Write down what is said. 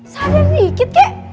sadar dikit kek